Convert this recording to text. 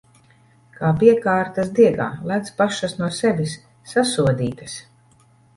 Kā piekārtas diegā... Lec pašas no sevis! Sasodītas!